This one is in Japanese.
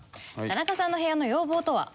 田中さんの部屋の要望とは？